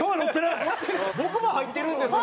僕も入ってるんですか？